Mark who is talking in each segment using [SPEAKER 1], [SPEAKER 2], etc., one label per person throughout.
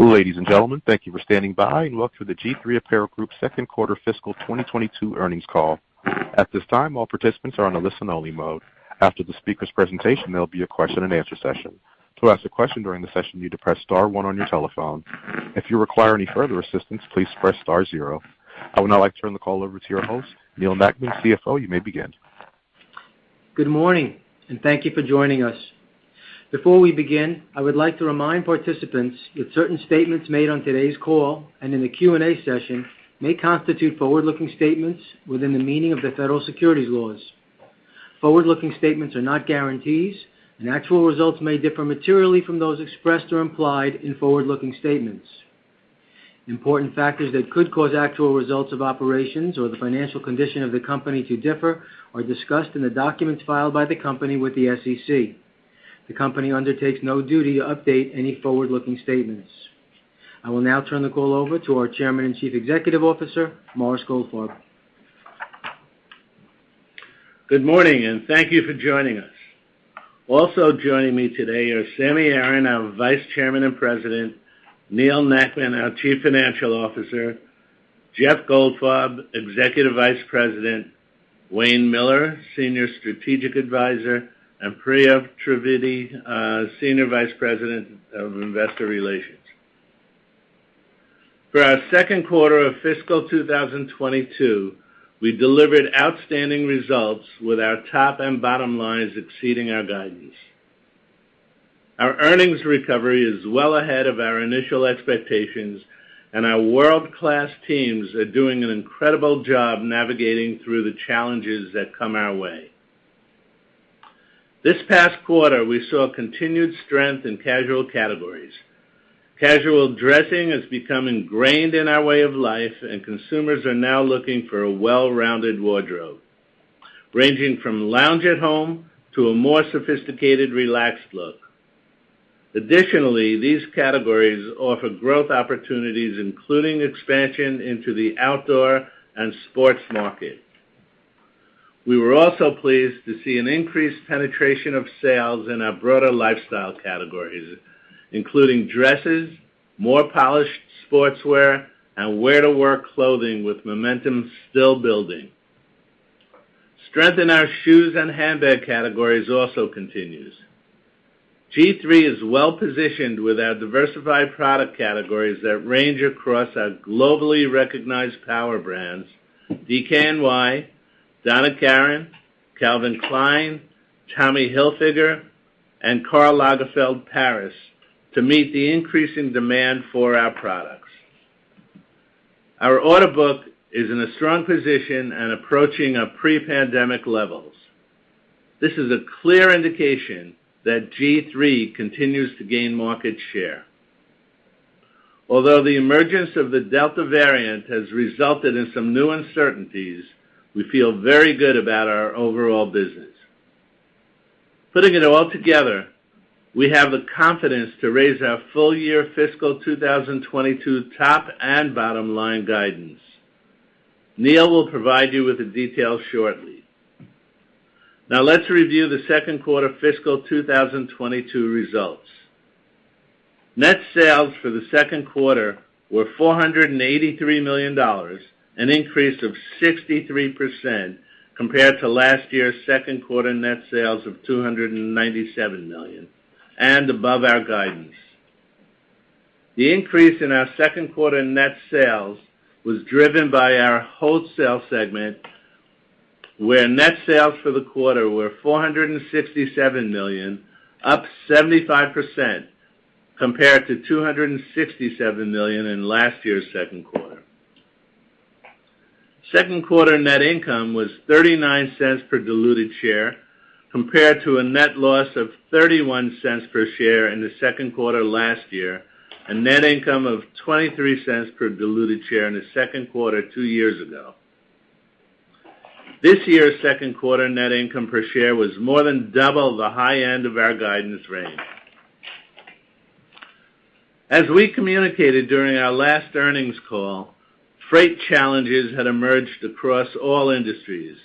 [SPEAKER 1] Ladies and gentlemen, thank you for standing by, welcome to the G-III Apparel Group second quarter fiscal 2022 earnings call. At this time, all participants are on a listen only mode. After the speaker's presentation, there'll be a question and answer session. To ask a question during the session, you need to press star one on your telephone. If you require any further assistance, please press star zero. I would now like to turn the call over to your host, Neal Nackman, CFO. You may begin.
[SPEAKER 2] Good morning, and thank you for joining us. Before we begin, I would like to remind participants that certain statements made on today's call and in the Q&A session may constitute forward-looking statements within the meaning of the federal securities laws. Forward-looking statements are not guarantees, and actual results may differ materially from those expressed or implied in forward-looking statements. Important factors that could cause actual results of operations or the financial condition of the company to differ are discussed in the documents filed by the company with the SEC. The company undertakes no duty to update any forward-looking statements. I will now turn the call over to our Chairman and Chief Executive Officer, Morris Goldfarb.
[SPEAKER 3] Good morning, and thank you for joining us. Also joining me today are Sammy Aaron, our Vice Chairman and President, Neal Nackman, our Chief Financial Officer, Jeff Goldfarb, Executive Vice President, Wayne Miller, Senior Strategic Advisor, and Priya Trivedi, Senior Vice President of Investor Relations. For our second quarter of fiscal 2022, we delivered outstanding results with our top and bottom lines exceeding our guidance. Our earnings recovery is well ahead of our initial expectations, and our world-class teams are doing an incredible job navigating through the challenges that come our way. This past quarter, we saw continued strength in casual categories. Casual dressing has become ingrained in our way of life, and consumers are now looking for a well-rounded wardrobe, ranging from lounge at home to a more sophisticated, relaxed look. Additionally, these categories offer growth opportunities, including expansion into the outdoor and sports market. We were also pleased to see an increased penetration of sales in our broader lifestyle categories, including dresses, more polished sportswear, and wear-to-work clothing with momentum still building. Strength in our shoes and handbag categories also continues. G-III is well-positioned with our diversified product categories that range across our globally recognized power brands, DKNY, Donna Karan, Calvin Klein, Tommy Hilfiger, and Karl Lagerfeld Paris, to meet the increasing demand for our products. Our order book is in a strong position and approaching our pre-pandemic levels. This is a clear indication that G-III continues to gain market share. Although the emergence of the Delta variant has resulted in some new uncertainties, we feel very good about our overall business. Putting it all together, we have the confidence to raise our full year fiscal 2022 top and bottom line guidance. Neal will provide you with the details shortly. Now let's review the second quarter fiscal 2022 results. Net sales for the second quarter were $483 million, an increase of 63% compared to last year's second quarter net sales of $297 million, and above our guidance. The increase in our second quarter net sales was driven by our wholesale segment, where net sales for the quarter were $467 million, up 75% compared to $267 million in last year's second quarter. Second quarter net income was $0.39 per diluted share, compared to a net loss of $0.31 per share in the second quarter last year, and net income of $0.23 per diluted share in the second quarter two years ago. This year's second quarter net income per share was more than double the high end of our guidance range. As we communicated during our last earnings call, freight challenges had emerged across all industries.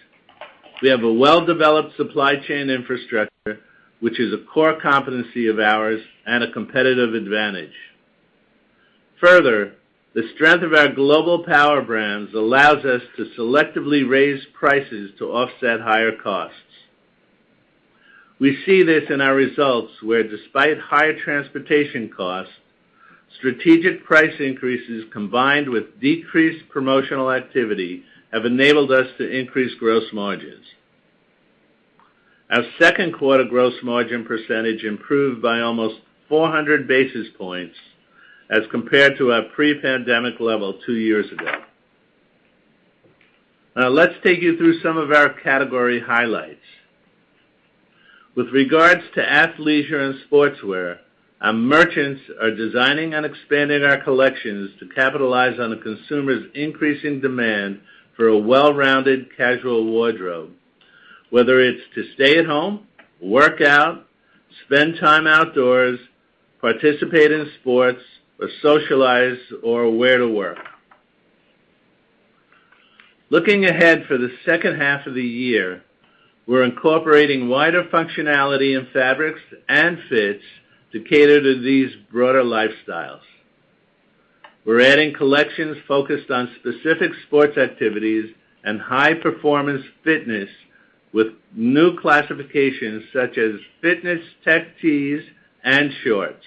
[SPEAKER 3] We have a well-developed supply chain infrastructure, which is a core competency of ours and a competitive advantage. The strength of our global power brands allows us to selectively raise prices to offset higher costs. We see this in our results where despite higher transportation costs, strategic price increases combined with decreased promotional activity have enabled us to increase gross margins. Our second quarter gross margin percentage improved by almost 400 basis points as compared to our pre-pandemic level two years ago. Let's take you through some of our category highlights. With regards to athleisure and sportswear, our merchants are designing and expanding our collections to capitalize on the consumer's increasing demand for a well-rounded casual wardrobe, whether it's to stay at home, work out, spend time outdoors, participate in sports, or socialize or wear to work. Looking ahead for the second half of the year, we're incorporating wider functionality in fabrics and fits to cater to these broader lifestyles. We're adding collections focused on specific sports activities and high-performance fitness with new classifications such as fitness tech tees and shorts.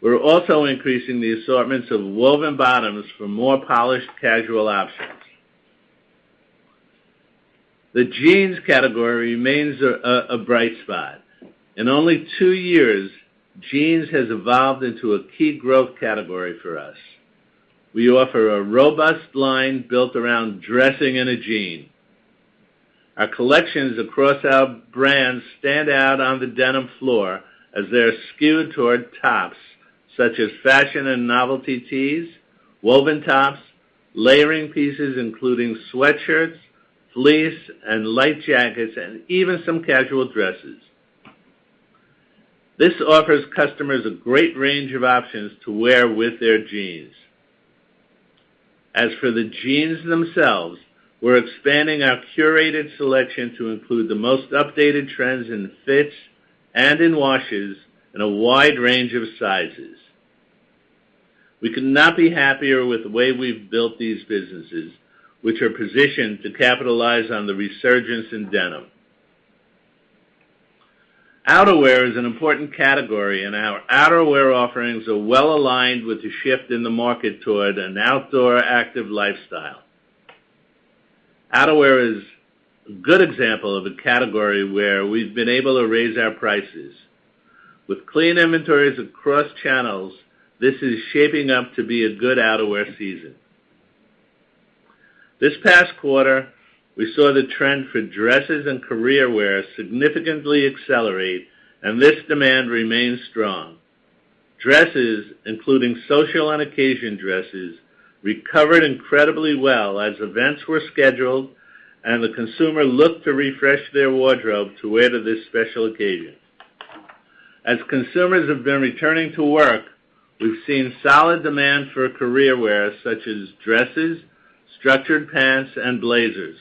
[SPEAKER 3] We're also increasing the assortments of woven bottoms for more polished casual options. The jeans category remains a bright spot. In only two years, jeans has evolved into a key growth category for us. We offer a robust line built around dressing in a jean. Our collections across our brands stand out on the denim floor as they're skewed toward tops such as fashion and novelty tees, woven tops, layering pieces including sweatshirts, fleece, and light jackets, and even some casual dresses. This offers customers a great range of options to wear with their jeans. As for the jeans themselves, we're expanding our curated selection to include the most updated trends in fits and in washes in a wide range of sizes. We could not be happier with the way we've built these businesses, which are positioned to capitalize on the resurgence in denim. Outerwear is an important category, and our outerwear offerings are well-aligned with the shift in the market toward an outdoor active lifestyle. Outerwear is a good example of a category where we've been able to raise our prices. With clean inventories across channels, this is shaping up to be a good outerwear season. This past quarter, we saw the trend for dresses and careerwear significantly accelerate, and this demand remains strong. Dresses, including social and occasion dresses, recovered incredibly well as events were scheduled and the consumer looked to refresh their wardrobe to wear to these special occasions. As consumers have been returning to work, we've seen solid demand for careerwear such as dresses, structured pants, and blazers.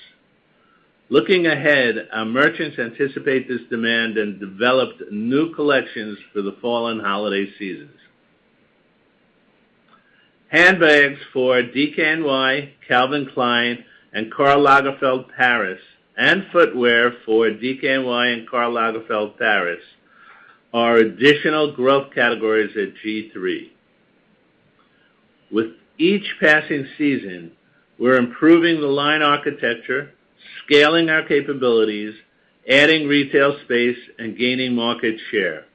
[SPEAKER 3] Looking ahead, our merchants anticipate this demand and developed new collections for the fall and holiday seasons. Handbags for DKNY, Calvin Klein, and Karl Lagerfeld Paris, and footwear for DKNY and Karl Lagerfeld Paris are additional growth categories at G-III. With each passing season, we're improving the line architecture, scaling our capabilities, adding retail space, and gaining market share.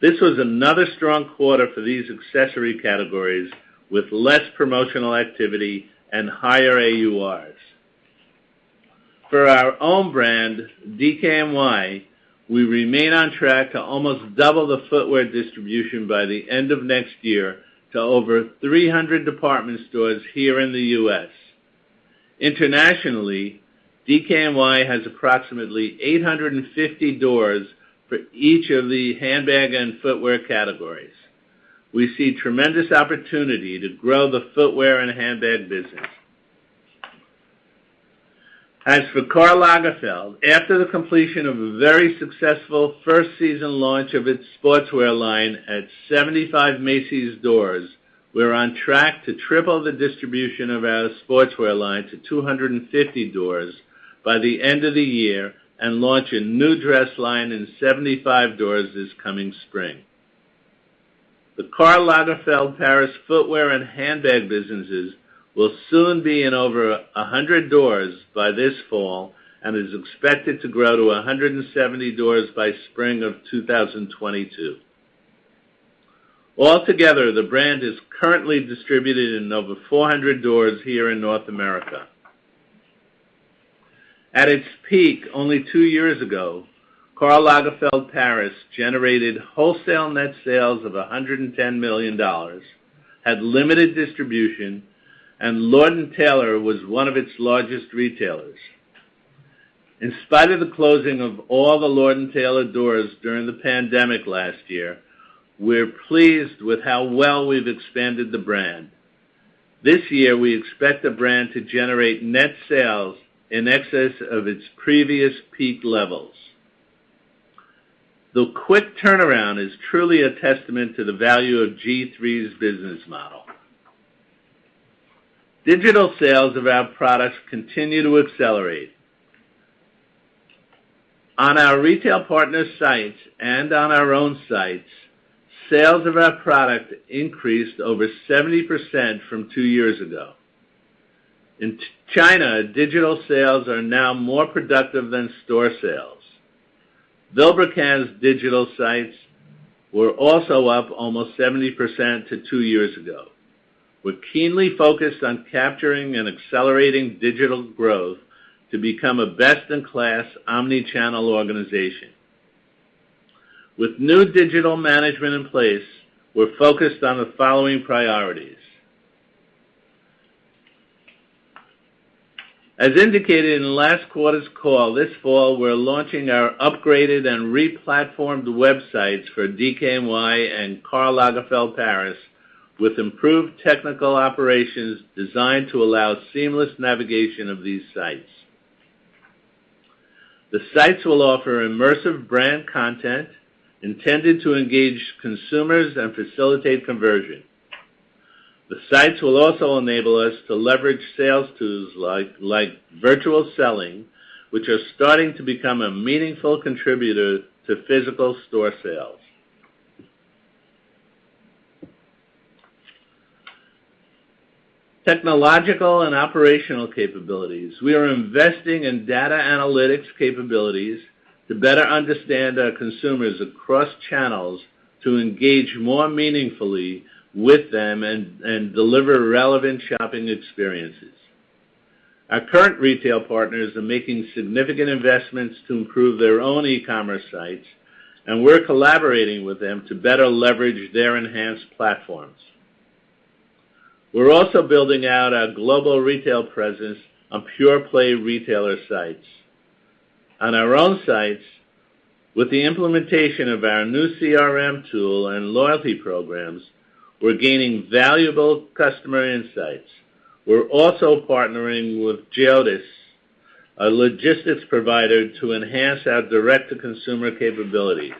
[SPEAKER 3] This was another strong quarter for these accessory categories with less promotional activity and higher AURs. For our own brand, DKNY, we remain on track to almost double the footwear distribution by the end of next year to over 300 department stores here in the U.S. Internationally, DKNY has approximately 850 doors for each of the handbag and footwear categories. We see tremendous opportunity to grow the footwear and handbag business. As for Karl Lagerfeld, after the completion of a very successful first season launch of its sportswear line at 75 Macy's doors, we're on track to triple the distribution of our sportswear line to 250 doors by the end of the year and launch a new dress line in 75 doors this coming spring. The Karl Lagerfeld Paris footwear and handbag businesses will soon be in over 100 doors by this fall and is expected to grow to 170 doors by spring of 2022. Altogether, the brand is currently distributed in over 400 doors here in North America. At its peak only two years ago, Karl Lagerfeld Paris generated wholesale net sales of $110 million, had limited distribution, and Lord & Taylor was one of its largest retailers. In spite of the closing of all the Lord & Taylor doors during the pandemic last year, we're pleased with how well we've expanded the brand. This year, we expect the brand to generate net sales in excess of its previous peak levels. The quick turnaround is truly a testament to the value of G-III's business model. Digital sales of our products continue to accelerate. On our retail partners' sites and on our own sites, sales of our product increased over 70% from two years ago. In China, digital sales are now more productive than store sales. Vilebrequin's digital sites were also up almost 70% to two years ago. We're keenly focused on capturing and accelerating digital growth to become a best-in-class omni-channel organization. With new digital management in place, we're focused on the following priorities. As indicated in last quarter's call, this fall we're launching our upgraded and re-platformed websites for DKNY and Karl Lagerfeld Paris with improved technical operations designed to allow seamless navigation of these sites. The sites will offer immersive brand content intended to engage consumers and facilitate conversion. The sites will also enable us to leverage sales tools like virtual selling, which are starting to become a meaningful contributor to physical store sales. Technological and operational capabilities. We are investing in data analytics capabilities to better understand our consumers across channels to engage more meaningfully with them and deliver relevant shopping experiences. Our current retail partners are making significant investments to improve their own e-commerce sites, and we're collaborating with them to better leverage their enhanced platforms. We're also building out our global retail presence on pure-play retailer sites. On our own sites, with the implementation of our new CRM tool and loyalty programs, we're gaining valuable customer insights. We're also partnering with GEODIS, a logistics provider, to enhance our direct-to-consumer capabilities.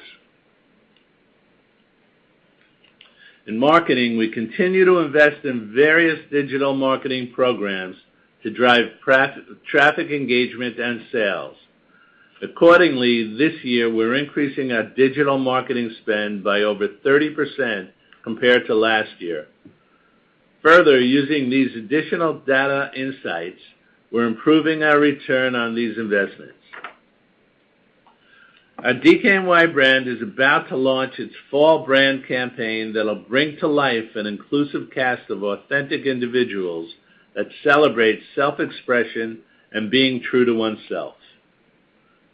[SPEAKER 3] In marketing, we continue to invest in various digital marketing programs to drive traffic engagement and sales. Accordingly, this year we're increasing our digital marketing spend by over 30% compared to last year. Further, using these additional data insights, we're improving our return on these investments. Our DKNY brand is about to launch its fall brand campaign that'll bring to life an inclusive cast of authentic individuals that celebrate self-expression and being true to oneself.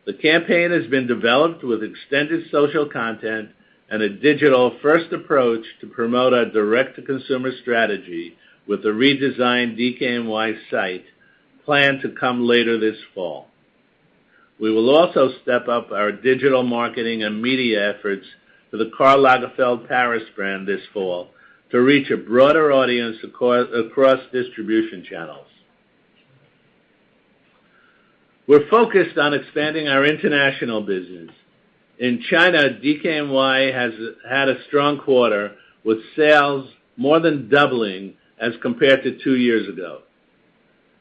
[SPEAKER 3] The campaign has been developed with extended social content and a digital-first approach to promote our direct-to-consumer strategy with the redesigned DKNY site planned to come later this fall. We will also step up our digital marketing and media efforts for the Karl Lagerfeld Paris brand this fall to reach a broader audience across distribution channels. We're focused on expanding our international business. In China, DKNY has had a strong quarter with sales more than doubling as compared to two years ago.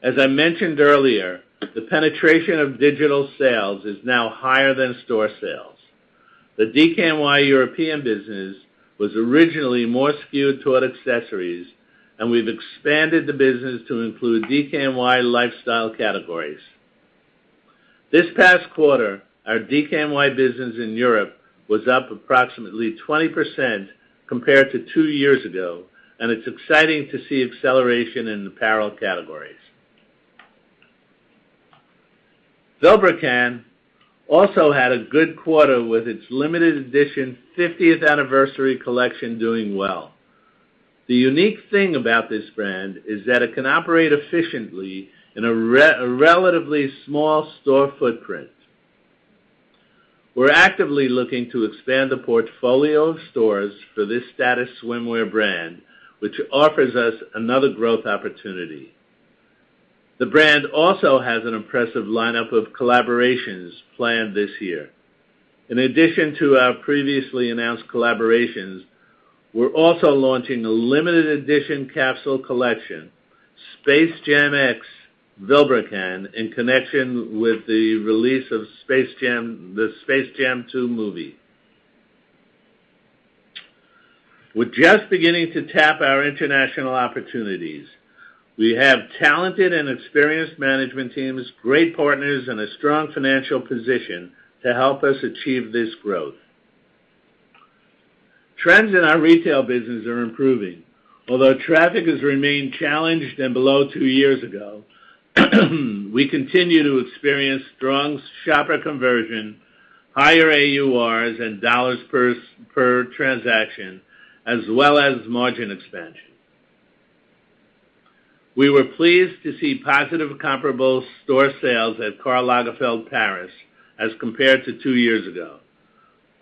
[SPEAKER 3] As I mentioned earlier, the penetration of digital sales is now higher than store sales. The DKNY European business was originally more skewed toward accessories, and we've expanded the business to include DKNY lifestyle categories. This past quarter, our DKNY business in Europe was up approximately 20% compared to two years ago. It's exciting to see acceleration in apparel categories. Vilebrequin also had a good quarter with its limited edition 50th anniversary collection doing well. The unique thing about this brand is that it can operate efficiently in a relatively small store footprint. We're actively looking to expand the portfolio of stores for this status swimwear brand, which offers us another growth opportunity. The brand also has an impressive lineup of collaborations planned this year. In addition to our previously announced collaborations, we're also launching a limited edition capsule collection, Space Jam X Vilebrequin, in connection with the release of the "Space Jam 2" movie. We're just beginning to tap our international opportunities. We have talented and experienced management teams, great partners, and a strong financial position to help us achieve this growth. Trends in our retail business are improving. Although traffic has remained challenged and below two years ago, we continue to experience strong shopper conversion, higher AURs and dollars per transaction, as well as margin expansion. We were pleased to see positive comparable store sales at Karl Lagerfeld Paris as compared to two years ago,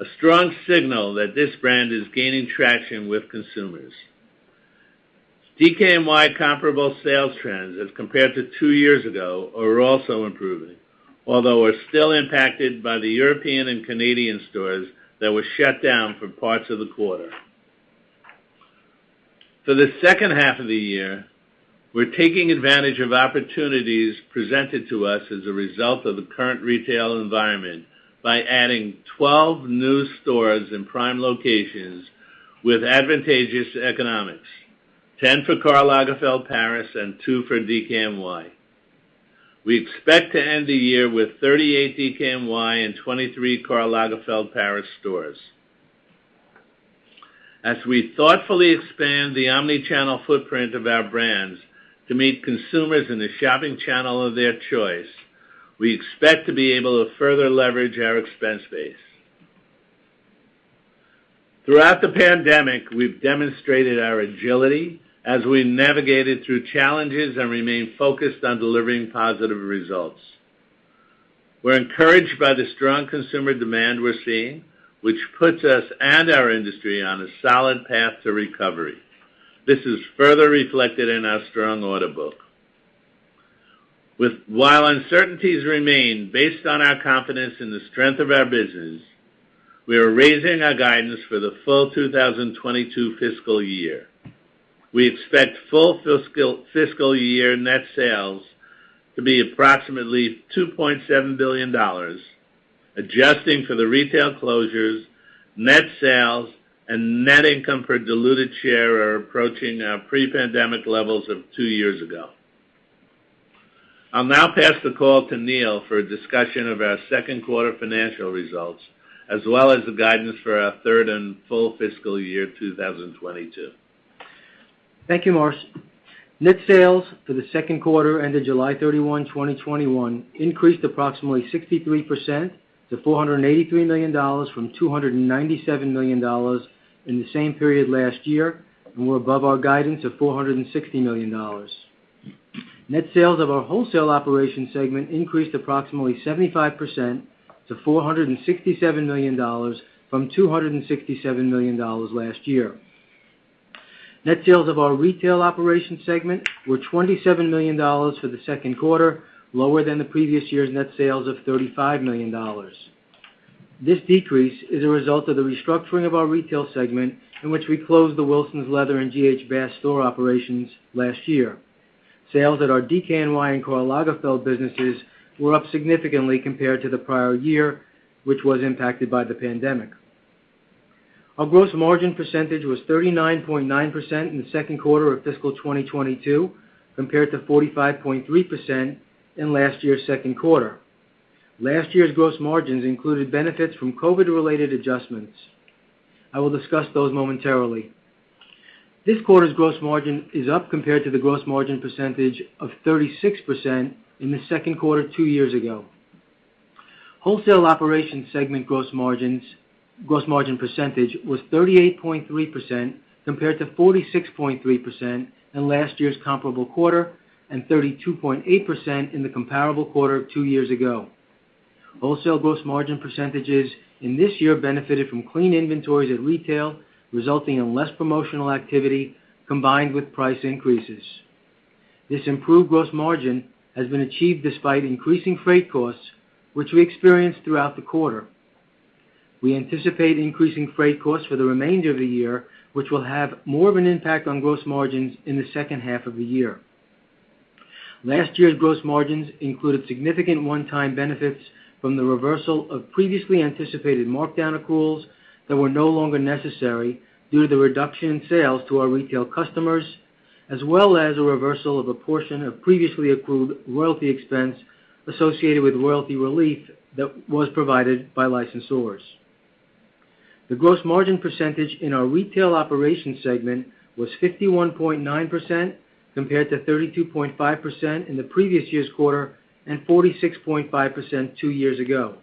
[SPEAKER 3] a strong signal that this brand is gaining traction with consumers. DKNY comparable sales trends as compared to two years ago are also improving, although we're still impacted by the European and Canadian stores that were shut down for parts of the quarter. For the second half of the year, we're taking advantage of opportunities presented to us as a result of the current retail environment by adding 12 new stores in prime locations with advantageous economics, 10 for Karl Lagerfeld Paris and two for DKNY. We expect to end the year with 38 DKNY and 23 Karl Lagerfeld Paris stores. As we thoughtfully expand the omni-channel footprint of our brands to meet consumers in the shopping channel of their choice, we expect to be able to further leverage our expense base. Throughout the pandemic, we've demonstrated our agility as we navigated through challenges and remain focused on delivering positive results. We're encouraged by the strong consumer demand we're seeing, which puts us and our industry on a solid path to recovery. This is further reflected in our strong order book. While uncertainties remain, based on our confidence in the strength of our business, we are raising our guidance for the full 2022 fiscal year. We expect full fiscal year net sales to be approximately $2.7 billion. Adjusting for the retail closures, net sales and net income per diluted share are approaching our pre-pandemic levels of two years ago. I'll now pass the call to Neal for a discussion of our second quarter financial results, as well as the guidance for our third and full fiscal year 2022.
[SPEAKER 2] Thank you, Morris. Net sales for the second quarter ended July 31, 2021, increased approximately 63% to $483 million from $297 million in the same period last year, and were above our guidance of $460 million. Net sales of our wholesale operation segment increased approximately 75% to $467 million from $267 million last year. Net sales of our retail operation segment were $27 million for the second quarter, lower than the previous year's net sales of $35 million. This decrease is a result of the restructuring of our retail segment, in which we closed the Wilsons Leather and G.H. Bass store operations last year. Sales at our DKNY and Karl Lagerfeld businesses were up significantly compared to the prior year, which was impacted by the pandemic. Our gross margin percentage was 39.9% in the second quarter of fiscal 2022, compared to 45.3% in last year's second quarter. Last year's gross margins included benefits from COVID-related adjustments. I will discuss those momentarily. This quarter's gross margin is up compared to the gross margin percentage of 36% in the second quarter two years ago. Wholesale operation segment gross margin percentage was 38.3%, compared to 46.3% in last year's comparable quarter, and 32.8% in the comparable quarter two years ago. Wholesale gross margin percentages in this year benefited from clean inventories at retail, resulting in less promotional activity, combined with price increases. This improved gross margin has been achieved despite increasing freight costs, which we experienced throughout the quarter. We anticipate increasing freight costs for the remainder of the year, which will have more of an impact on gross margins in the second half of the year. Last year's gross margins included significant one-time benefits from the reversal of previously anticipated markdown accruals that were no longer necessary due to the reduction in sales to our retail customers, as well as a reversal of a portion of previously accrued royalty expense associated with royalty relief that was provided by licensors. The gross margin percentage in our retail operation segment was 51.9%, compared to 32.5% in the previous year's quarter and 46.5% two years ago.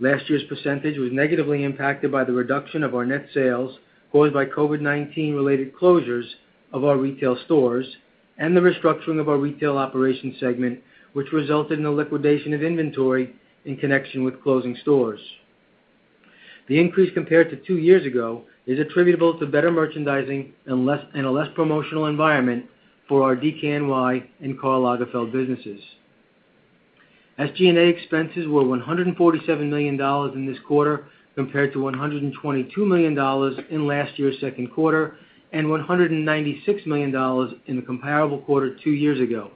[SPEAKER 2] Last year's percentage was negatively impacted by the reduction of our net sales caused by COVID-19 related closures of our retail stores and the restructuring of our retail operation segment, which resulted in the liquidation of inventory in connection with closing stores. The increase compared to two years ago is attributable to better merchandising and a less promotional environment for our DKNY and Karl Lagerfeld businesses. SG&A expenses were $147 million in this quarter, compared to $122 million in last year's second quarter, and $196 million in the comparable quarter two years ago.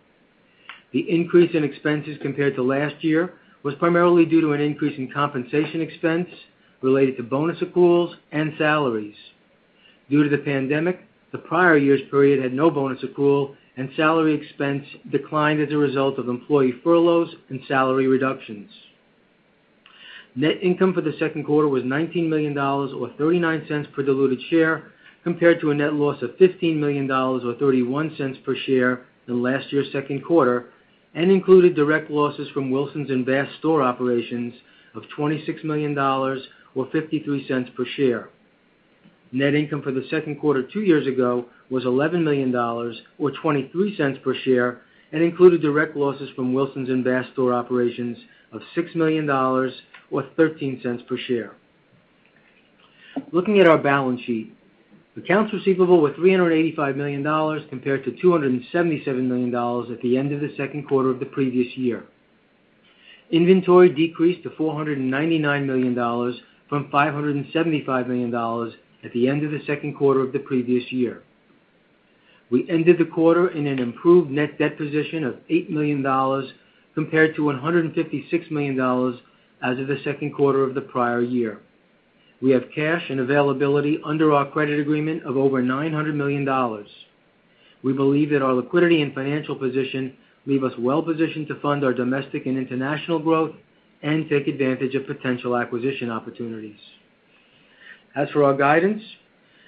[SPEAKER 2] The increase in expenses compared to last year was primarily due to an increase in compensation expense related to bonus accruals and salaries. Due to the pandemic, the prior year's period had no bonus accrual and salary expense declined as a result of employee furloughs and salary reductions. Net income for the second quarter was $19 million, or $0.39 per diluted share, compared to a net loss of $15 million, or $0.31 per share in last year's second quarter, and included direct losses from Wilsons and Bass store operations of $26 million, or $0.53 per share. Net income for the second quarter two years ago was $11 million, or $0.23 per share, and included direct losses from Wilsons and Bass store operations of $6 million, or $0.13 per share. Looking at our balance sheet, accounts receivable were $385 million compared to $277 million at the end of the second quarter of the previous year. Inventory decreased to $499 million from $575 million at the end of the second quarter of the previous year. We ended the quarter in an improved net debt position of $8 million compared to $156 million as of the second quarter of the prior year. We have cash and availability under our credit agreement of over $900 million. We believe that our liquidity and financial position leave us well positioned to fund our domestic and international growth and take advantage of potential acquisition opportunities. As for our guidance,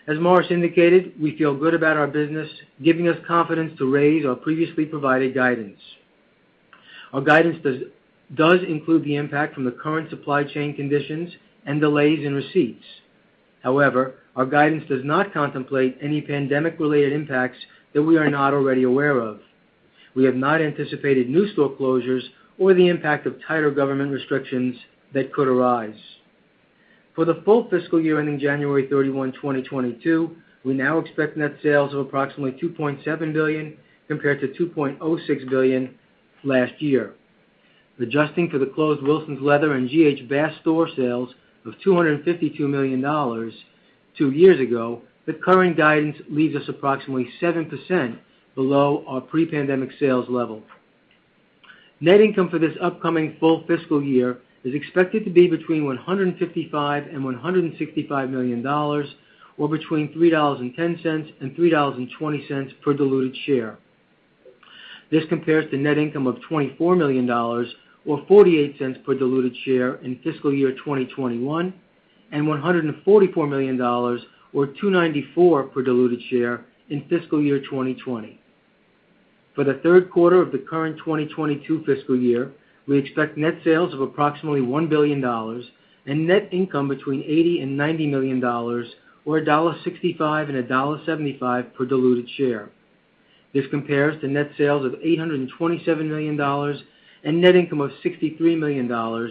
[SPEAKER 2] as Morris indicated, we feel good about our business, giving us confidence to raise our previously provided guidance. Our guidance does include the impact from the current supply chain conditions and delays in receipts. Our guidance does not contemplate any pandemic-related impacts that we are not already aware of. We have not anticipated new store closures or the impact of tighter government restrictions that could arise. For the full fiscal year ending January 31, 2022, we now expect net sales of approximately $2.7 billion, compared to $2.06 billion last year. Adjusting for the closed Wilsons Leather and G.H. Bass store sales of $252 million two years ago, the current guidance leaves us approximately 7% below our pre-pandemic sales level. Net income for this upcoming full fiscal year is expected to be between $155 million and $165 million, or between $3.10 and $3.20 per diluted share. This compares to net income of $24 million or $0.48 per diluted share in fiscal year 2021, and $144 million or $2.94 per diluted share in fiscal year 2020. For the third quarter of the current 2022 fiscal year, we expect net sales of approximately $1 billion and net income between $80 million and $90 million or $1.65 and $1.75 per diluted share. This compares to net sales of $827 million and net income of $63 million or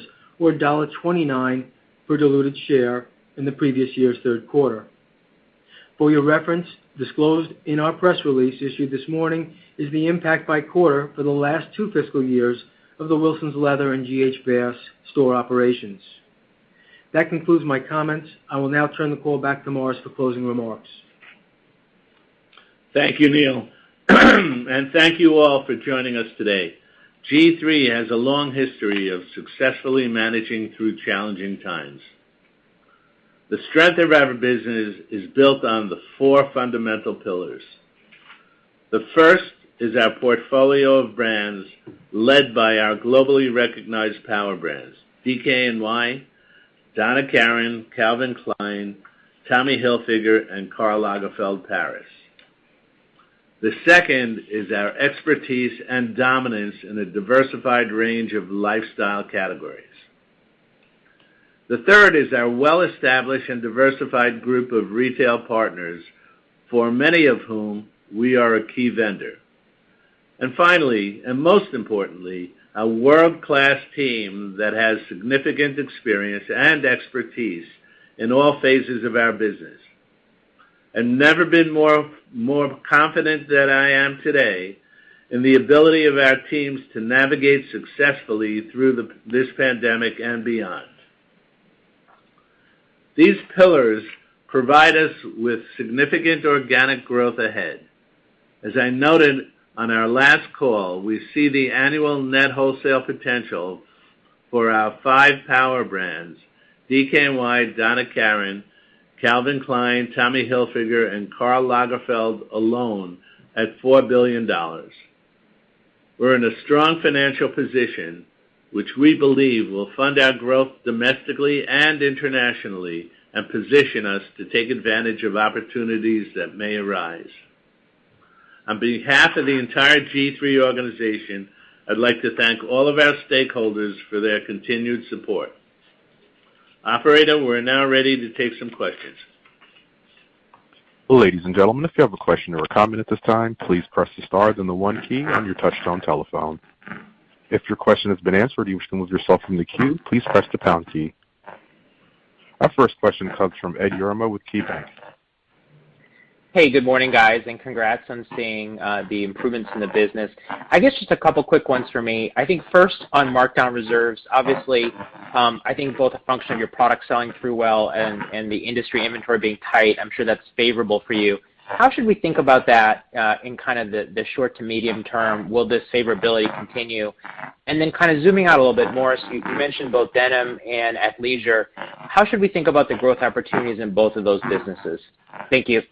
[SPEAKER 2] $1.29 per diluted share in the previous year's third quarter. For your reference, disclosed in our press release issued this morning is the impact by quarter for the last two fiscal years of the Wilsons Leather and G.H. Bass store operations. That concludes my comments. I will now turn the call back to Morris for closing remarks.
[SPEAKER 3] Thank you, Neal. And thank you all for joining us today. G-III has a long history of successfully managing through challenging times. The strength of our business is built on the four fundamental pillars. The first is our portfolio of brands led by our globally recognized power brands, DKNY, Donna Karan, Calvin Klein, Tommy Hilfiger, and Karl Lagerfeld Paris. The second is our expertise and dominance in a diversified range of lifestyle categories. The third is our well-established and diversified group of retail partners, for many of whom we are a key vendor. Finally, and most importantly, a world-class team that has significant experience and expertise in all phases of our business. I've never been more confident than I am today in the ability of our teams to navigate successfully through this pandemic and beyond. These pillars provide us with significant organic growth ahead. As I noted on our last call, we see the annual net wholesale potential for our five power brands, DKNY, Donna Karan, Calvin Klein, Tommy Hilfiger, and Karl Lagerfeld alone at $4 billion. We're in a strong financial position, which we believe will fund our growth domestically and internationally, and position us to take advantage of opportunities that may arise. On behalf of the entire G-III organization, I'd like to thank all of our stakeholders for their continued support. Operator, we're now ready to take some questions.
[SPEAKER 1] Ladies and gentlemen, if you have a question or a comment at this time, please press star and the one key on your touch-tone telephone. If your question has been answered and wish to remove yourself from the queue, please press the pound key. Our first question comes from Edward Yruma with KeyBanc.
[SPEAKER 4] Hey, good morning, guys. Congrats on seeing the improvements in the business. I guess just a couple of quick ones for me. I think first on markdown reserves, obviously, I think both a function of your product selling through well and the industry inventory being tight. I'm sure that's favorable for you. How should we think about that in the short to medium term? Will this favorability continue? Then zooming out a little bit more, so you mentioned both denim and athleisure. How should we think about the growth opportunities in both of those businesses? Thank you.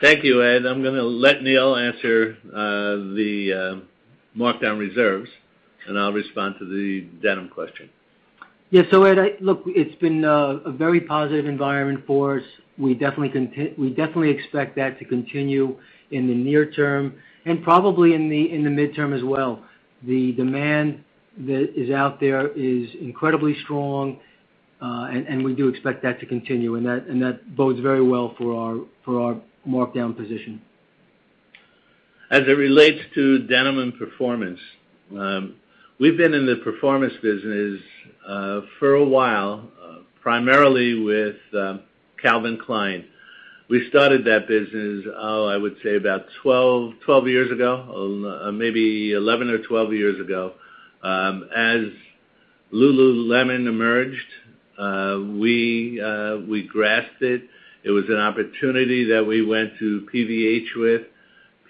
[SPEAKER 3] Thank you, Ed. I'm gonna let Neal answer the markdown reserves. I'll respond to the denim question.
[SPEAKER 2] Ed, look, it's been a very positive environment for us. We definitely expect that to continue in the near term and probably in the midterm as well. The demand that is out there is incredibly strong, and we do expect that to continue, and that bodes very well for our markdown position.
[SPEAKER 3] As it relates to denim and performance, we've been in the performance business for a while, primarily with Calvin Klein. We started that business, I would say about 12 years ago, maybe 11 or 12 years ago. As Lululemon emerged, we grasped it. It was an opportunity that we went to PVH with,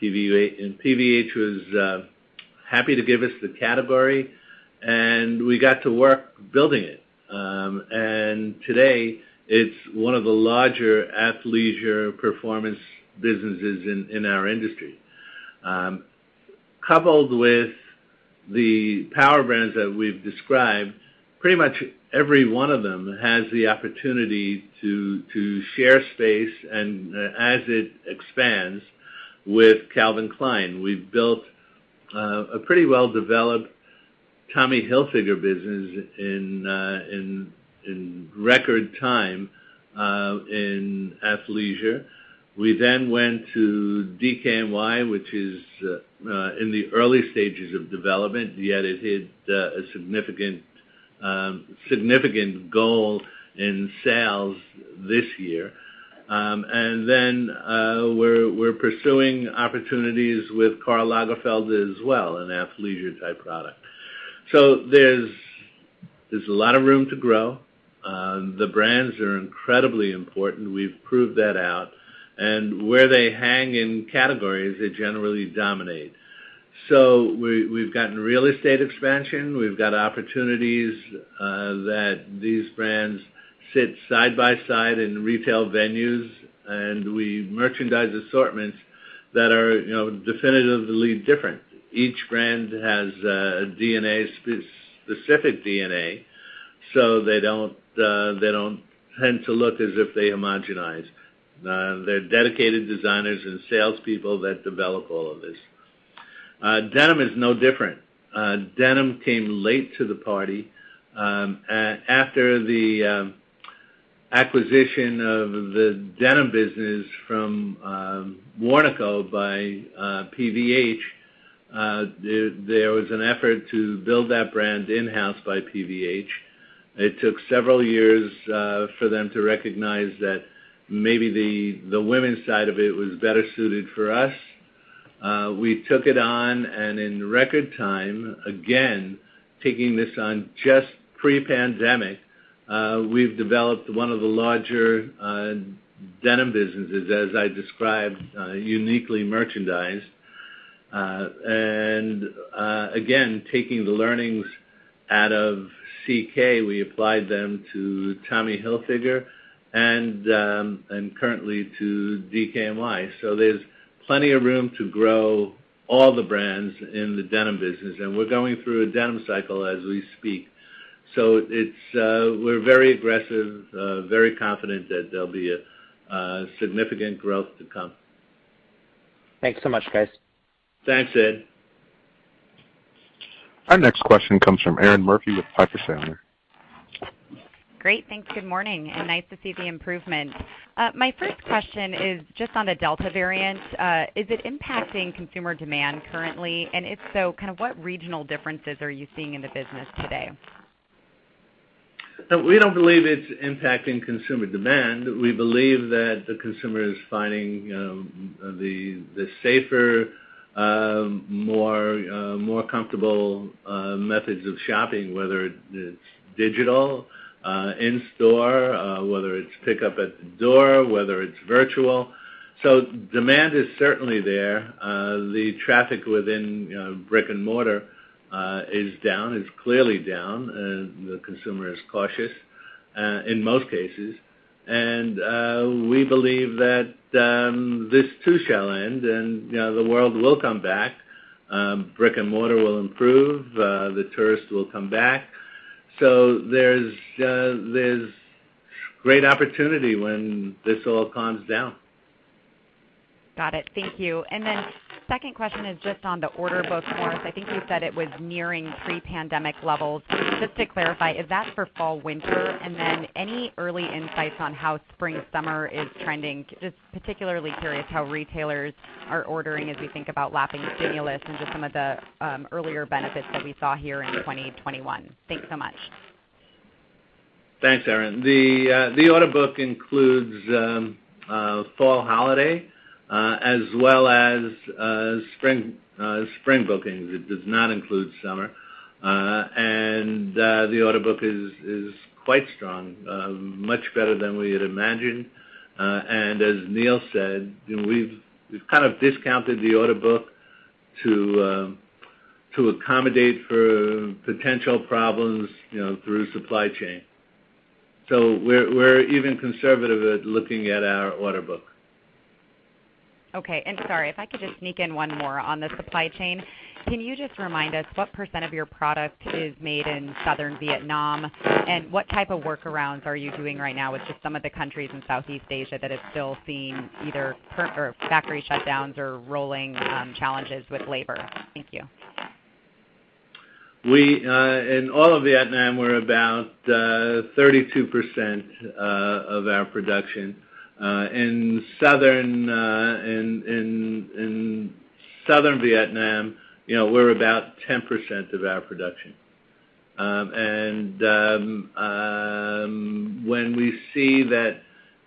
[SPEAKER 3] and PVH was happy to give us the category, and we got to work building it. Today, it's one of the larger athleisure performance businesses in our industry. Coupled with the power brands that we've described, pretty much every one of them has the opportunity to share space, and as it expands with Calvin Klein. We've built a pretty well-developed Tommy Hilfiger business in record time in athleisure. We then went to DKNY, which is in the early stages of development, yet it hit a significant goal in sales this year. We're pursuing opportunities with Karl Lagerfeld as well, an athleisure-type product. There's a lot of room to grow. The brands are incredibly important. We've proved that out. Where they hang in categories, they generally dominate. We've gotten real estate expansion. We've got opportunities that these brands sit side by side in retail venues, and we merchandise assortments that are definitively different. Each brand has a specific DNA, so they don't tend to look as if they homogenize. There are dedicated designers and salespeople that develop all of this. Denim is no different. Denim came late to the party. After the acquisition of the denim business from Warnaco by PVH, there was an effort to build that brand in-house by PVH. It took several years for them to recognize that maybe the women's side of it was better suited for us. We took it on, and in record time, again, taking this on just pre-pandemic, we've developed one of the larger denim businesses, as I described, uniquely merchandised. Again, taking the learnings out of CK, we applied them to Tommy Hilfiger and currently to DKNY. There's plenty of room to grow all the brands in the denim business. We're going through a denim cycle as we speak. We're very aggressive, very confident that there'll be a significant growth to come.
[SPEAKER 4] Thanks so much, guys.
[SPEAKER 3] Thanks, Ed.
[SPEAKER 1] Our next question comes from Erinn Murphy with Piper Sandler.
[SPEAKER 5] Great. Thanks. Good morning, and nice to see the improvement. My first question is just on the Delta variant. Is it impacting consumer demand currently? If so, what regional differences are you seeing in the business today?
[SPEAKER 3] We don't believe it's impacting consumer demand. We believe that the consumer is finding the safer, more comfortable methods of shopping, whether it's digital, in-store, whether it's pickup at the door, whether it's virtual. Demand is certainly there. The traffic within brick and mortar is down. It's clearly down. The consumer is cautious in most cases. We believe that this too shall end and the world will come back. Brick and mortar will improve. The tourists will come back. There's great opportunity when this all calms down.
[SPEAKER 5] Got it. Thank you. Second question is just on the order book, Morris. I think you said it was nearing pre-pandemic levels. Just to clarify, is that for fall/winter? Any early insights on how spring/summer is trending? Just particularly curious how retailers are ordering as we think about lapping stimulus and just some of the earlier benefits that we saw here in 2021. Thanks so much.
[SPEAKER 3] Thanks, Erin. The order book includes fall holiday as well as spring bookings. It does not include summer. The order book is quite strong, much better than we had imagined. As Neal said, we've kind of discounted the order book to accommodate for potential problems through supply chain. We're even conservative at looking at our order book.
[SPEAKER 5] Okay. Sorry, if I could just sneak in one more on the supply chain. Can you just remind us what percent of your product is made in southern Vietnam? What type of workarounds are you doing right now with just some of the countries in Southeast Asia that have still seen either factory shutdowns or rolling challenges with labor? Thank you.
[SPEAKER 3] In all of Vietnam, we're about 32% of our production. In Southern Vietnam, we're about 10% of our production. When we see that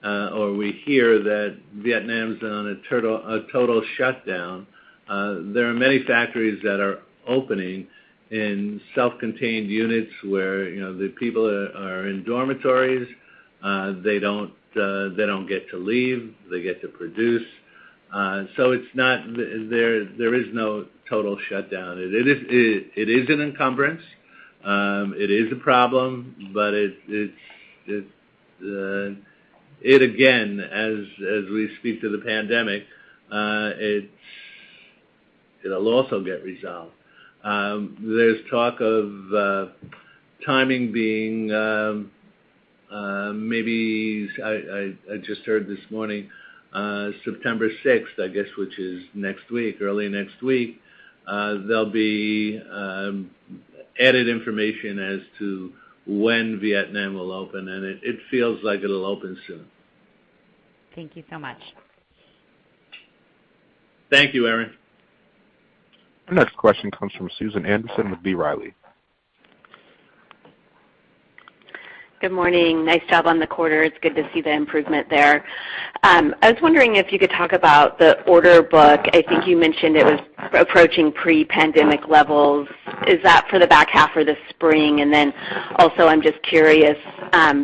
[SPEAKER 3] or we hear that Vietnam's on a total shutdown, there are many factories that are opening in self-contained units where the people are in dormitories. They don't get to leave. They get to produce. There is no total shutdown. It is an encumbrance. It is a problem, but it again, as we speak to the pandemic, it'll also get resolved. There's talk of timing being, I just heard this morning, September 6th, I guess, which is next week, early next week. There'll be added information as to when Vietnam will open, and it feels like it'll open soon.
[SPEAKER 5] Thank you so much.
[SPEAKER 3] Thank you, Erinn.
[SPEAKER 1] Our next question comes from Susan Anderson with B. Riley.
[SPEAKER 6] Good morning. Nice job on the quarter. It's good to see the improvement there. I was wondering if you could talk about the order book. I think you mentioned it was approaching pre-pandemic levels. Is that for the back half or the spring? Also, I'm just curious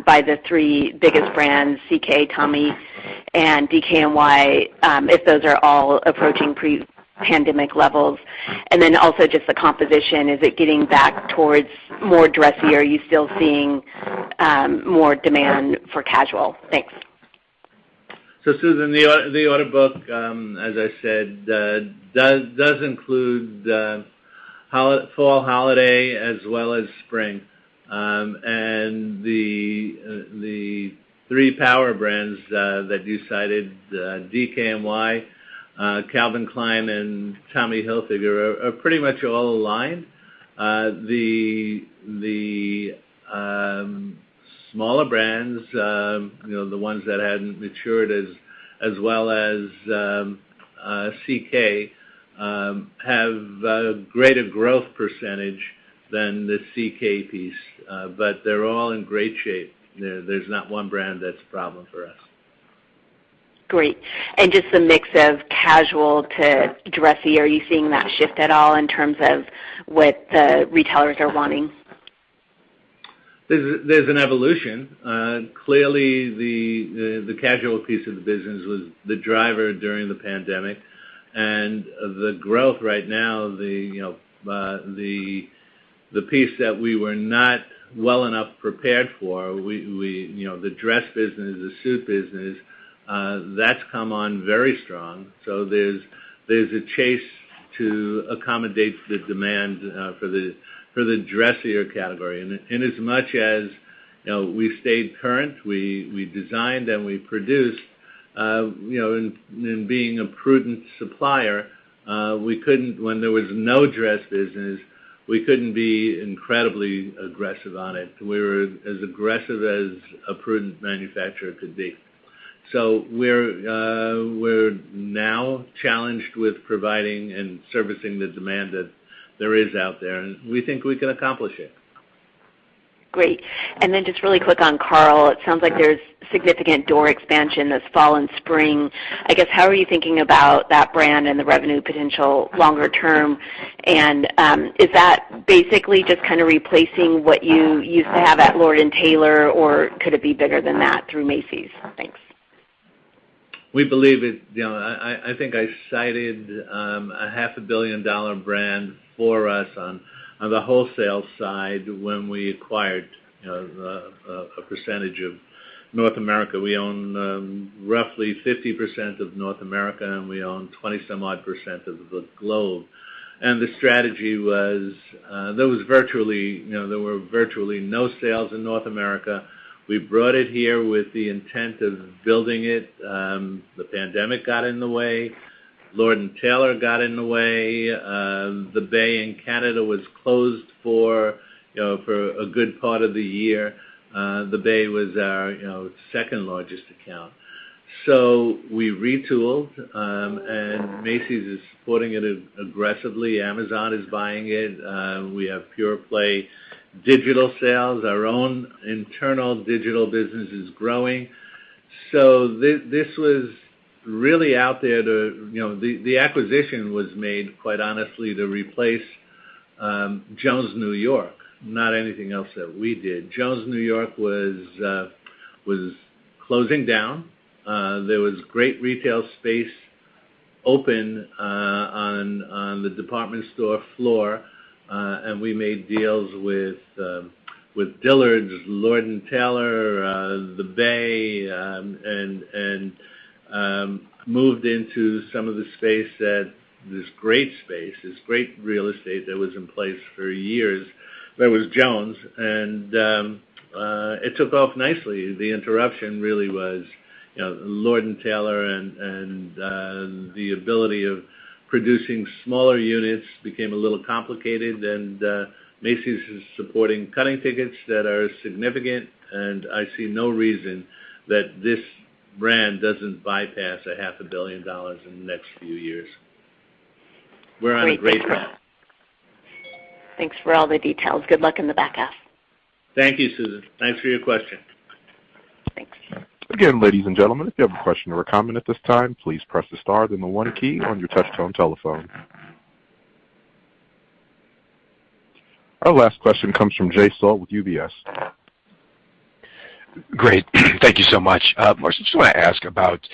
[SPEAKER 6] by the three biggest brands, CK, Tommy, and DKNY, if those are all approaching pre-pandemic levels. Also, just the composition. Is it getting back towards more dressy? Are you still seeing more demand for casual? Thanks.
[SPEAKER 3] Susan, the order book, as I said does include the fall holiday as well as spring. The three power brands that you cited, DKNY, Calvin Klein, and Tommy Hilfiger, are pretty much all aligned. The smaller brands, the ones that hadn't matured as well as CK have a greater growth percentage than the CK piece. They're all in great shape. There's not one brand that's a problem for us.
[SPEAKER 6] Great. Just the mix of casual to dressy, are you seeing that shift at all in terms of what the retailers are wanting?
[SPEAKER 3] There's an evolution. Clearly the casual piece of the business was the driver during the pandemic. The growth right now, the piece that we were not well enough prepared for, the dress business, the suit business, that's come on very strong. There's a chase to accommodate the demand for the dressier category. Inasmuch as we stayed current, we designed and we produced. Being a prudent supplier, when there was no dress business, we couldn't be incredibly aggressive on it. We were as aggressive as a prudent manufacturer could be. We're now challenged with providing and servicing the demand that there is out there, and we think we can accomplish it.
[SPEAKER 6] Great. Just really quick on Karl, it sounds like there's significant door expansion this fall and spring. I guess how are you thinking about that brand and the revenue potential longer term? Is that basically just replacing what you used to have at Lord & Taylor, or could it be bigger than that through Macy's? Thanks.
[SPEAKER 3] I think I cited a $0.5 billion brand for us on the wholesale side when we acquired a percentage of North America. We own roughly 50% of North America, we own 20-some odd percent of the globe. The strategy was there were virtually no sales in North America. We brought it here with the intent of building it. The pandemic got in the way. Lord & Taylor got in the way. The Bay in Canada was closed for a good part of the year. The Bay was our second largest account. We retooled. Macy's is supporting it aggressively. Amazon is buying it. We have pure play digital sales. Our own internal digital business is growing. This was really out there. The acquisition was made, quite honestly, to replace Jones New York, not anything else that we did. Jones New York was closing down. There was great retail space open on the department store floor. We made deals with Dillard's, Lord & Taylor, The Bay, and moved into some of the space, this great space, this great real estate that was in place for years that was Jones. It took off nicely. The interruption really was Lord & Taylor and the ability of producing smaller units became a little complicated. Macy's is supporting cutting tickets that are significant, and I see no reason that this brand doesn't bypass $0.5 billion In the next few years. We're on a great path.
[SPEAKER 6] Thanks for all the details. Good luck in the back half.
[SPEAKER 3] Thank you, Susan. Thanks for your question.
[SPEAKER 1] Again, ladies and gentlemen, if your have question or a comment at this time, please press star then the one key on your touch-tone telephone. Our last question comes from Jay Sole with UBS.
[SPEAKER 7] Great. Thank you so much. Morris, I just want to ask about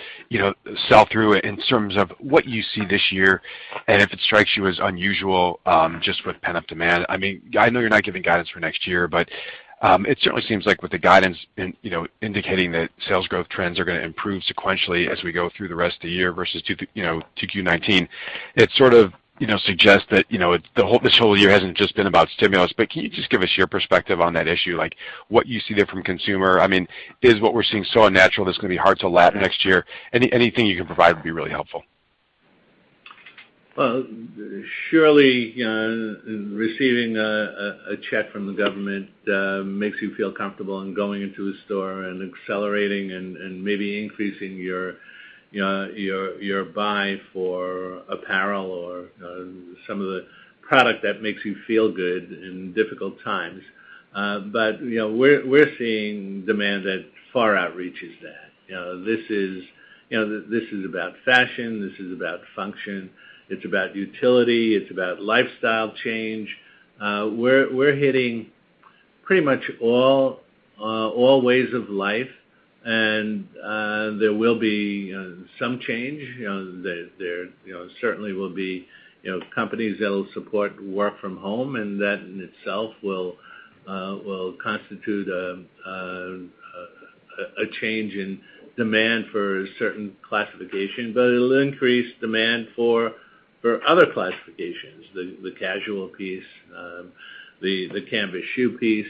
[SPEAKER 7] sell-through in terms of what you see this year, and if it strikes you as unusual, just with pent-up demand. I know you're not giving guidance for next year, it certainly seems like with the guidance indicating that sales growth trends are going to improve sequentially as we go through the rest of the year versus 2Q 2019. It sort of suggests that this whole year hasn't just been about stimulus. Can you just give us your perspective on that issue, like what you see there from consumer? Is what we're seeing so unnatural that it's going to be hard to lap next year? Anything you can provide would be really helpful.
[SPEAKER 3] Well, surely, receiving a check from the government makes you feel comfortable in going into a store and accelerating and maybe increasing your buy for apparel or some of the product that makes you feel good in difficult times. We're seeing demand that far outreaches that. This is about fashion. This is about function. It's about utility. It's about lifestyle change. We're hitting pretty much all ways of life, and there will be some change. There certainly will be companies that'll support work from home, and that in itself will constitute a change in demand for a certain classification, but it'll increase demand for other classifications, the casual piece, the canvas shoe piece.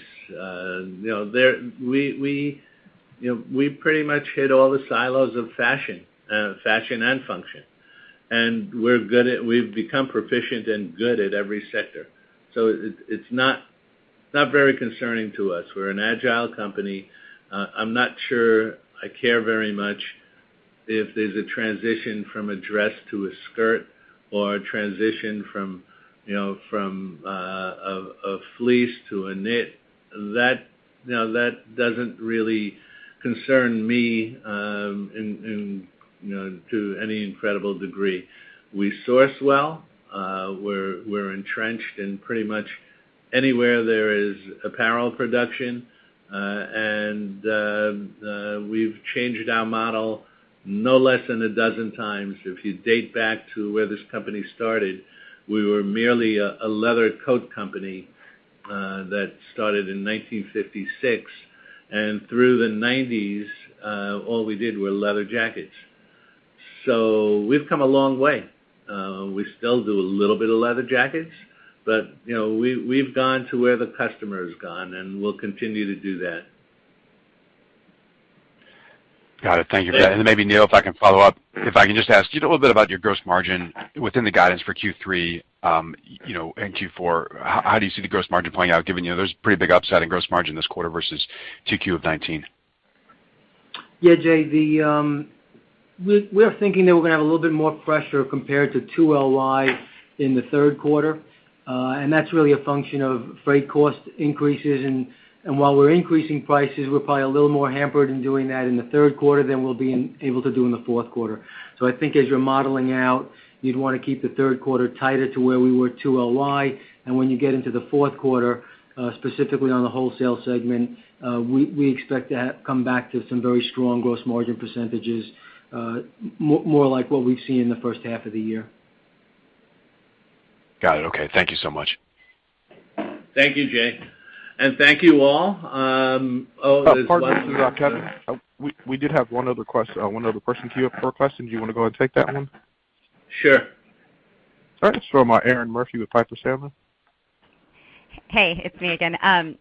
[SPEAKER 3] We pretty much hit all the silos of fashion and function. We've become proficient and good at every sector. It's not very concerning to us. We're an agile company. I'm not sure I care very much if there's a transition from a dress to a skirt or a transition from a fleece to a knit. That doesn't really concern me to any incredible degree. We source well. We're entrenched in pretty much anywhere there is apparel production. We've changed our model no less than a dozen times. If you date back to where this company started, we were merely a leather coat company that started in 1956. Through the '90s, all we did were leather jackets. We've come a long way. We still do a little bit of leather jackets, but we've gone to where the customer has gone, and we'll continue to do that.
[SPEAKER 7] Got it. Thank you. Maybe, Neal, if I can follow up, if I can just ask you a little bit about your gross margin within the guidance for Q3 and Q4. How do you see the gross margin playing out, given there's a pretty big upside in gross margin this quarter versus 2Q of 2019?
[SPEAKER 2] Yeah, Jay, we're thinking that we're going to have a little bit more pressure compared to 2LY in the third quarter. That's really a function of freight cost increases. While we're increasing prices, we're probably a little more hampered in doing that in the third quarter than we'll be able to do in the fourth quarter. I think as you're modeling out, you'd want to keep the third quarter tighter to where we were at 2LY. When you get into the fourth quarter, specifically on the wholesale segment, we expect to come back to some very strong gross margin percentages, more like what we've seen in the first half of the year.
[SPEAKER 7] Got it. Okay. Thank you so much.
[SPEAKER 3] Thank you, Jay. Thank you all.
[SPEAKER 1] Pardon, Kevin. We did have one other person queue up for a question. Do you want to go and take that one?
[SPEAKER 3] Sure.
[SPEAKER 1] All right. This is from Erinn Murphy with Piper Sandler.
[SPEAKER 5] Hey, it's me again.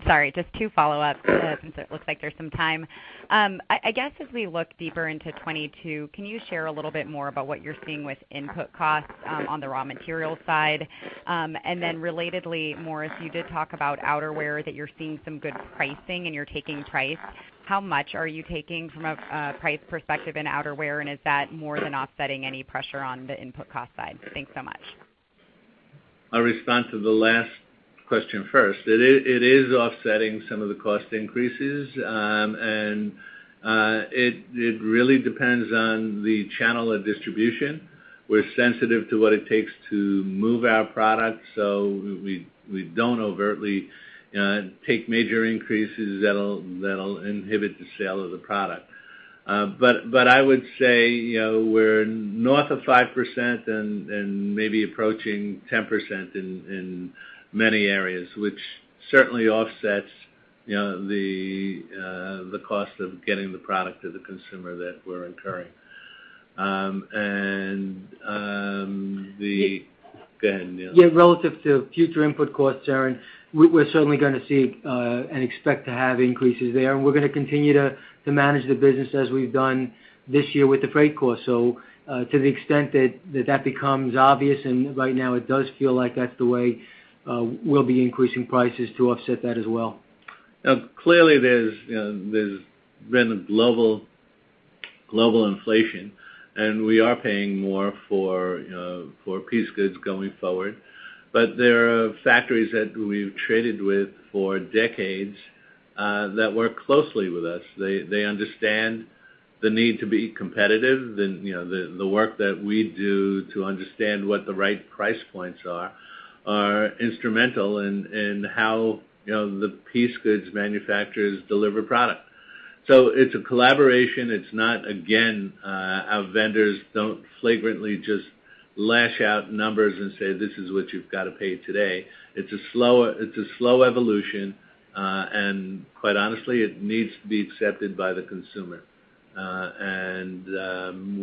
[SPEAKER 5] Sorry, just two follow-ups since it looks like there's some time. I guess as we look deeper into 2022, can you share a little bit more about what you're seeing with input costs on the raw material side? Relatedly, Morris, you did talk about outerwear, that you're seeing some good pricing and you're taking price. How much are you taking from a price perspective in outerwear, and is that more than offsetting any pressure on the input cost side? Thanks so much.
[SPEAKER 3] I'll respond to the last question first. It is offsetting some of the cost increases. It really depends on the channel of distribution. We're sensitive to what it takes to move our product. We don't overtly take major increases that'll inhibit the sale of the product. I would say, we're north of 5% and maybe approaching 10% in many areas, which certainly offsets the cost of getting the product to the consumer that we're incurring. Go ahead, Neal.
[SPEAKER 2] Yeah. Relative to future input costs, Erinn, we're certainly going to see and expect to have increases there. We're going to continue to manage the business as we've done this year with the freight costs. To the extent that that becomes obvious, and right now it does feel like that's the way, we'll be increasing prices to offset that as well.
[SPEAKER 3] Clearly, there's been global inflation, we are paying more for piece goods going forward. There are factories that we've traded with for decades that work closely with us. They understand the need to be competitive, and the work that we do to understand what the right price points are instrumental in how the piece goods manufacturers deliver product. It's a collaboration. Again, our vendors don't flagrantly just lash out numbers and say, "This is what you've got to pay today." It's a slow evolution. Quite honestly, it needs to be accepted by the consumer.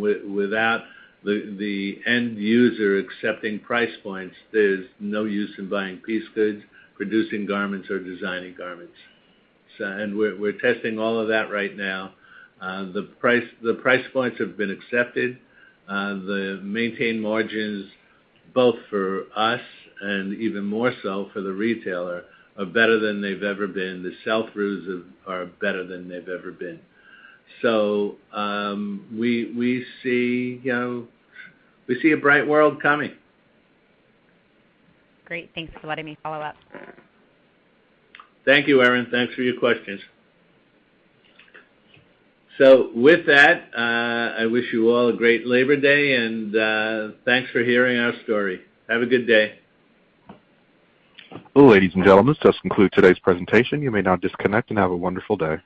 [SPEAKER 3] Without the end user accepting price points, there's no use in buying piece goods, producing garments, or designing garments. We're testing all of that right now. The price points have been accepted. The maintained margins, both for us and even more so for the retailer, are better than they've ever been. The sell-throughs are better than they've ever been. We see a bright world coming.
[SPEAKER 5] Great. Thanks for letting me follow up.
[SPEAKER 3] Thank you, Erinn. Thanks for your questions. With that, I wish you all a great Labor Day, and thanks for hearing our story. Have a good day.
[SPEAKER 1] Ladies and gentlemen, this does conclude today's presentation. You may now disconnect, and have a wonderful day.